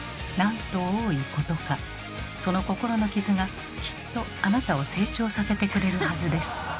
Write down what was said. その心の傷がきっとあなたを成長させてくれるはずです。